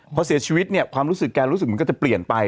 พอเสียชีวิตเนี่ยความรู้สึกแกรู้สึกเหมือนแกจะเปลี่ยนไป